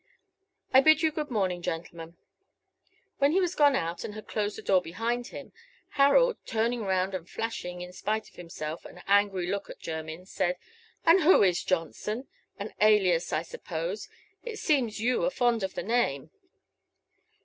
"I bid you good morning, gentlemen." When he was gone out, and had closed the door behind him, Harold, turning round and flashing, in spite of himself, an angry look at Jermyn, said "And who is Johnson? an alias, I suppose. It seems you are fond of the name."